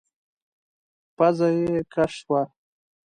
پزه يې کش شوه.